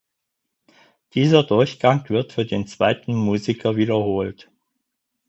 Dieser Durchgang wird für den zweiten Musiker wiederholt.